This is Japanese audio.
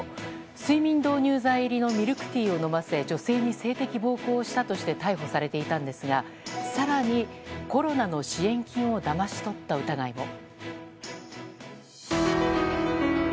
睡眠導入剤入りのミルクティーを飲ませ女性に性的暴行をしたとして逮捕されていたんですが更に、コロナの支援金をだまし取った疑いも。